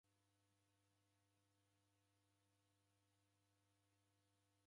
Naw'uka mana, simanyagha oho.